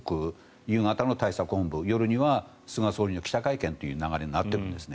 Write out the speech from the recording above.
夕方の対策本部夜には菅総理の記者会見という流れになっているんですね。